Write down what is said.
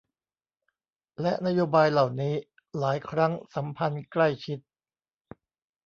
และนโยบายเหล่านี้ หลายครั้งสัมพันธ์ใกล้ชิด